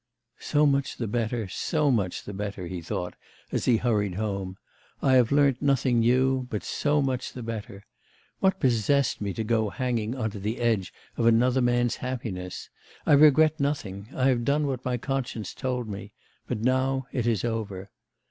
'So much the better, so much the better,' he thought, as he hurried home. 'I have learnt nothing new, but so much the better. What possessed me to go hanging on to the edge of another man's happiness? I regret nothing; I have done what my conscience told me; but now it is over.